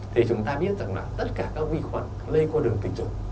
thì chúng ta biết rằng là tất cả các vi khuẩn lây qua đường tình dục